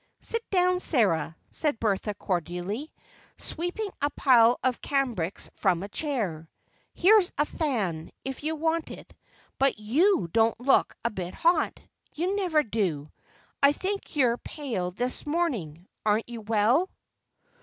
"Sit down, Sarah," said Bertha cordially, sweeping a pile of cambrics from a chair. "Here's a fan, if you want it, but you don't look a bit hot; you never do. I think you're pale this morning. Aren't you well?"